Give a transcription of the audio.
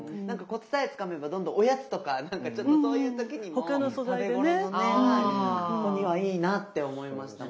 コツさえつかめばどんどんおやつとかなんかちょっとそういう時にも食べ頃の子にはいいなって思いました。